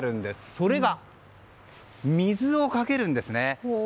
それが水をかけるんですね。